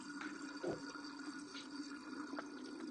妖刀定式是一类围棋定式的统称。